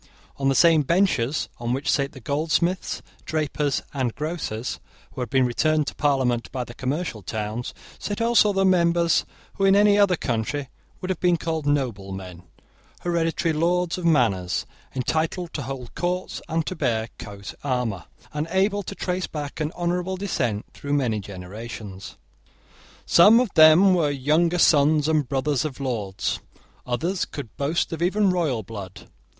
On the same benches on which sate the goldsmiths, drapers, and grocers, who had been returned to parliament by the commercial towns, sate also members who, in any other country, would have been called noblemen, hereditary lords of manors, entitled to hold courts and to bear coat armour, and able to trace back an honourable descent through many generations. Some of them were younger sons and brothers of lords. Others could boast of even royal blood.